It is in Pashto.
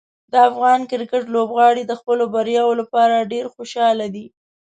د افغان کرکټ لوبغاړي د خپلو بریاوو لپاره ډېر خوشحاله دي.